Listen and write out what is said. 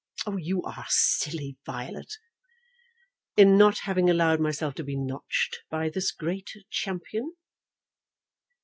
"You are silly, Violet." "In not having allowed myself to be notched by this great champion?"